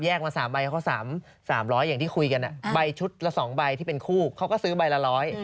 มา๓ใบเขา๓๐๐อย่างที่คุยกันใบชุดละ๒ใบที่เป็นคู่เขาก็ซื้อใบละร้อย